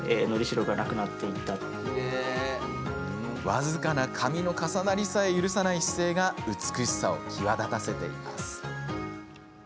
僅かな紙の重なりさえ許さない姿勢が美しさを際立たせています。